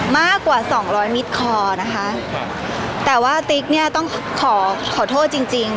มากกว่า๒๐๐มิตรคอนะคะแต่ว่าติ๊กเนี่ยต้องขอโทษจริง